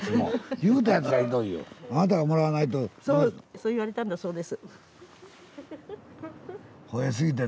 そう言われたんだそうです。